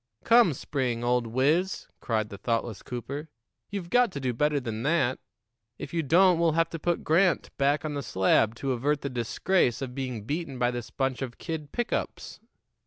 "Come, Spring, old wiz," cried the thoughtless Cooper, "you've got to do better than that. If you don't, we'll have to put Grant back on the slab to avert the disgrace of being beaten by this bunch of kid pick ups."